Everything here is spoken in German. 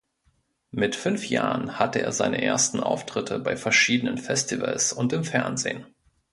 Mit fünf Jahren hatte er seine ersten Auftritte bei verschiedenen Festivals und im Fernsehen.